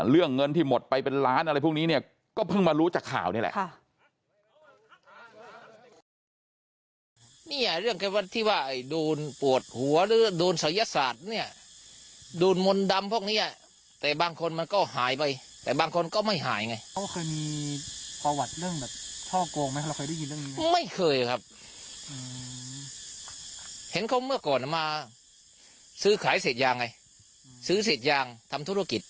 เรื่องเงินที่หมดไปเป็นล้านอะไรพวกนี้เนี่ยก็เพิ่งมารู้จากข่าวนี่แหละ